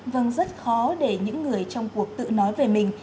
vâng rất khó để những người trong cuộc tự nói về mình